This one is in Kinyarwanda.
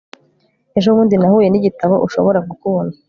Ejobundi nahuye nigitabo ushobora gukunda